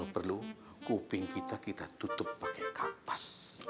kalo perlu kuping kita kita tutup pake kapas